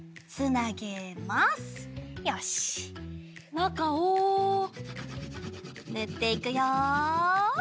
なかをぬっていくよ。